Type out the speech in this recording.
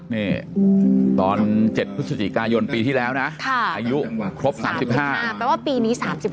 นี่ตอน๗พฤศจิกายนปีที่แล้วนะอายุครบ๓๕แปลว่าปีนี้๓๖